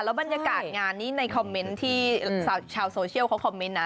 บรรยากาศงานนี้ในคอมเมนต์ที่ชาวโซเชียลเขาคอมเมนต์นะ